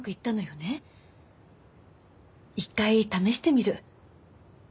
一回試してみる。